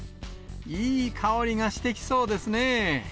いい香りがしてきそうですね。